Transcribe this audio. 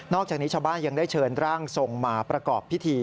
จากนี้ชาวบ้านยังได้เชิญร่างทรงมาประกอบพิธี